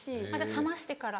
冷ましてから？